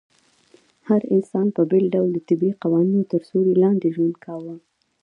هر انسان په بېل ډول د طبيعي قوانينو تر سيوري لاندي ژوند کاوه